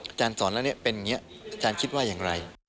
อาจารย์สอนแล้วเป็นอย่างนี้อาจารย์คิดว่าอย่างไร